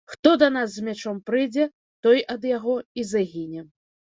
Хто да нас з мячом прыйдзе, той ад яго і загіне.